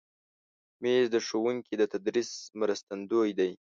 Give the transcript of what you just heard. مېز د ښوونکي د تدریس مرستندوی دی.